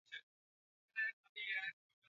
Amenifurahisha leo.